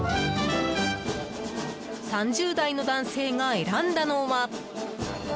３０代の男性が選んだのは。